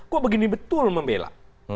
kok begini betul membela